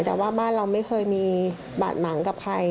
แต่ว่าบ้านเราไม่เคยมีบาดหมางกับใคร